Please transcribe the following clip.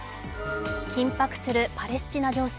緊迫するパレスチナ情勢。